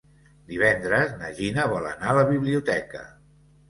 Divendres na Gina vol anar a la biblioteca.